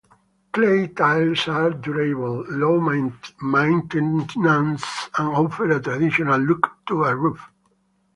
Clay tiles are durable, low-maintenance, and offer a traditional look to a roof.